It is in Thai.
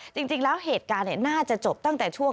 จริงแล้วเหตุการณ์น่าจะจบตั้งแต่ช่วง